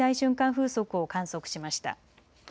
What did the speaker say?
風速を観測しました。